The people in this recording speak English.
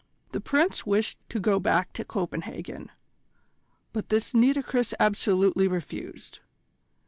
The Prince wished to go back to Copenhagen, but this Nitocris absolutely refused.